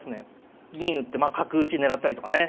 銀打ってまあ角打ち狙ったりとかね。